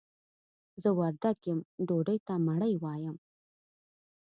زه وردګ يم ډوډۍ ته مړۍ وايم.